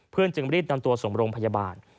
เพื่อนจึงรีบนำตัวสงบรมพยาบาล